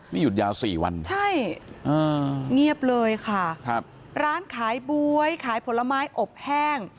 นี่หยุดยาวสี่วันใช่เงียบเลยค่ะครับร้านขายบ๊วยขายผลไม้อบแห้ง